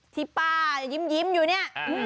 ที่ป้ายิ้มอยู่เนี่ย